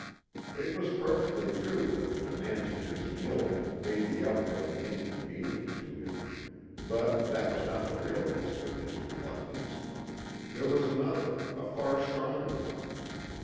It was perfectly true that the demands of his mill made the outing inconvenient to him, but that was not the real reason of his reluctance. There was another, a far stronger one.